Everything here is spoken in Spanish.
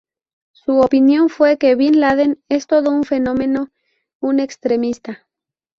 Su opinión fue que bin Laden es "todo un fenómeno, un extremista".